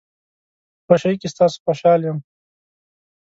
په خوشۍ کې ستاسو خوشحال یم.